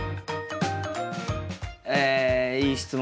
えいい質問項目